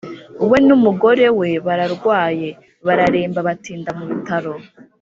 We n’umugore we bararwaye bararemba Batinda mu bitaro.